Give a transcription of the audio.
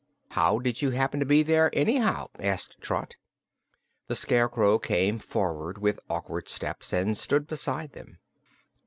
"How did you happen to be there, anyhow?" asked Trot. The Scarecrow came forward with awkward steps and stood beside them.